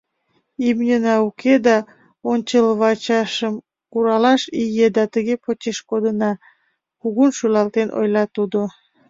— Имньына уке, да ончылвачашым куралаш ий еда тыге почеш кодына, — кугун шӱлалтен ойла тудо.